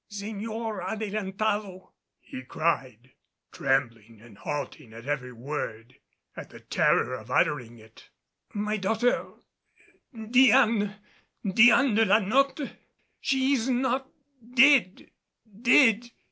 "Señor Adelantado," he cried, trembling and halting at every word, at the terror of uttering it, "my daughter Diane Diane de la Notte she is not dead dead.